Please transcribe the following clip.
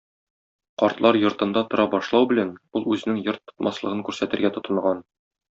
Картлар йортында тора башлау белән, ул үзенең йорт тотмаслыгын күрсәтергә тотынган.